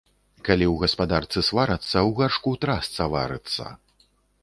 Калі ў гаспадарцы сварацца, у гаршку трасца варыцца.